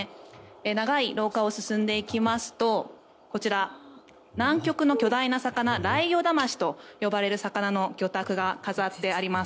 長い廊下を進んでいきますとこちら、南極の巨大な魚ライギョダマシと呼ばれる魚の魚拓が飾ってあります。